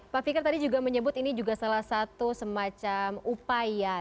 pak fikar tadi juga menyebut ini juga salah satu semacam upaya